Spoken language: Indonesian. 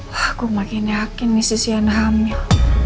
wah gue makin yakin nih si sienna hamil